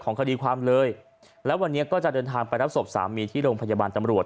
ก็รู้อยู่ว่าทำงานอยู่ในออฟฟิศนั้นแหละ